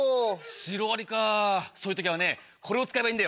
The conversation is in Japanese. シロアリかぁそういう時はねこれを使えばいいんだよ。